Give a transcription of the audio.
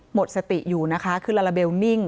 หมดสติอยู่นะคะคือลาลาเบลนิ่ง